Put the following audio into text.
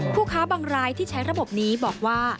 ผู้ค้าบางรายที่ใช้ระบบนี้บอกว่า